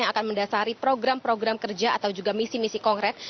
yang akan mendasari program program kerja atau juga misi misi kongres